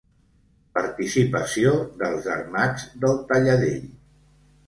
Participació dels Armats del Talladell.